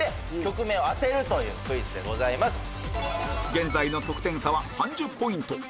現在の得点差は３０ポイント